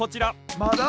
まだ？